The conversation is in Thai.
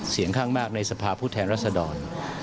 เสียงข้างมากในสภาพผู้แทนรัศดร